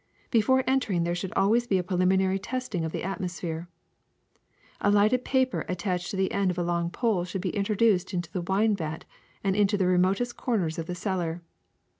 Before entering there should always be a preliminary testing of the atmos phere. A lighted paper attached to the end of a long pole should be introduced into the wine vat and into the remotest corners of the cellar.